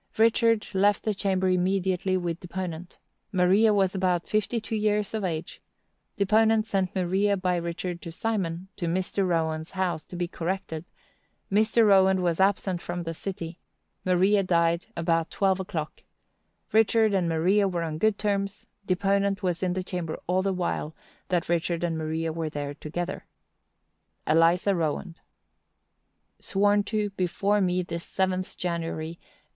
Richard left the chamber immediately with deponent; Maria was about fifty two years of age; deponent sent Maria by Richard to Simon, to Mr Rowand's house, to be corrected; Mr. Rowand was absent from the city; Maria died about twelve o'clock; Richard and Maria were on good terms; deponent was in the chamber all the while that Richard and Maria were there together. "ELIZA ROWAND. "Sworn to before me this seventh January, 1847.